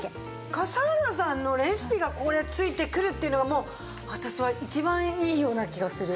笠原さんのレシピがこれ付いてくるっていうのが私は一番いいような気がする。